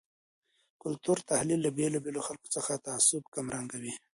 د کلتور تحلیل له بیلابیلو خلګو څخه تعصب کمرنګوي.